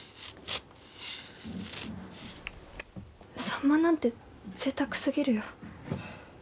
サンマなんてぜいたくすぎるよ。